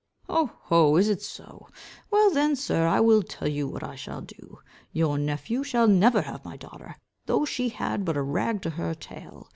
"Oh, ho! is it so. Well then, sir, I will tell you what I shall do. Your nephew shall never have my daughter, though she had but a rag to her tail.